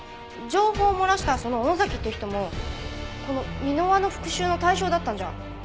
情報を漏らしたその尾野崎って人もこの箕輪の復讐の対象だったんじゃ。